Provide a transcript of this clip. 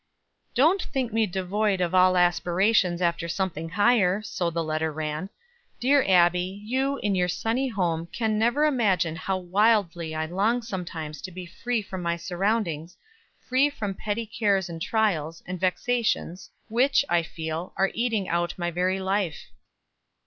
"Don't think me devoid of all aspirations after something higher," so the letter ran. "Dear Abbie, you, in your sunny home, can never imagine how wildly I long sometimes to be free from my surroundings, free from petty cares and trials, and vexations, which, I feel, are eating out my very life.